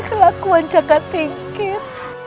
kelakuan jagat tinggir